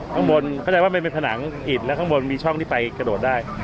ข้างบนเข้าใจว่ามันเป็นผนังอิดและข้างบนมีช่องที่ไปกระโดดได้